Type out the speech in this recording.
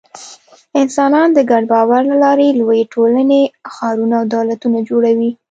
انسانان د ګډ باور له لارې لویې ټولنې، ښارونه او دولتونه جوړوي.